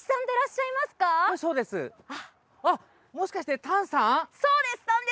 もしかして丹さん？